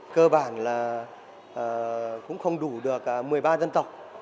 cơ bản là cũng không đủ được một mươi ba dân tộc